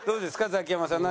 ザキヤマさん。